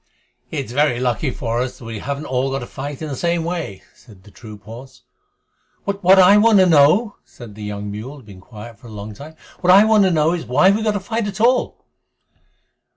"It is very lucky for us that we haven't all got to fight in the same way," said the troop horse. "What I want to know," said the young mule, who had been quiet for a long time "what I want to know is, why we have to fight at all."